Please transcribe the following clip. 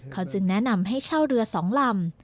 เขาจึงแนะนำให้เช่าเรือ๒ลำ